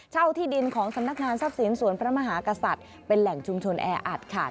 ที่ดินของสำนักงานทรัพย์สินสวนพระมหากษัตริย์เป็นแหล่งชุมชนแออัดค่ะ